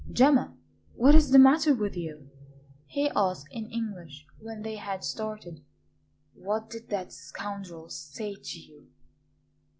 "Gemma, what is the matter with you?" he asked, in English, when they had started. "What did that scoundrel say to you?"